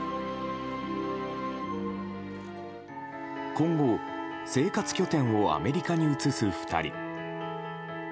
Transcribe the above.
今後、生活拠点をアメリカに移す２人。